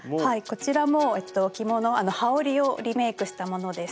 こちらも着物羽織をリメイクしたものです。